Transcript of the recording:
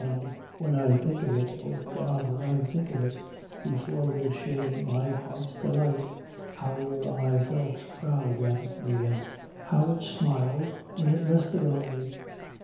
An' when I think of it oh God, when I think of it, before your shame, my heart's delight, how your eye felt proud out of me, an' how it smiled when it rested on me.